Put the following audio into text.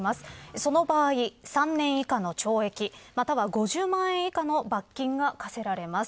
その場合、３年以下の懲役または５０万円以下の罰金が科せられます。